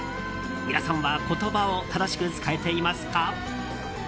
皆さんは、言葉を正しく使えていますか？